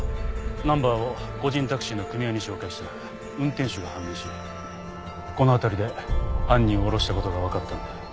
ナンバーを個人タクシーの組合に照会したら運転手が判明しこの辺りで犯人を降ろした事がわかったんで。